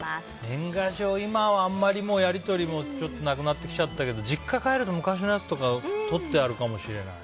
年賀状、今はあんまりもう、やり取りもちょっとなくなってきちゃったけど実家に帰ると昔のやつとかとってあるかもしれない。